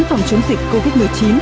phòng chống dịch covid một mươi chín